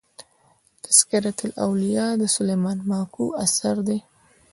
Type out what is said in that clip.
"تذکرةالاولیا" د سلیمان ماکو اثر دﺉ.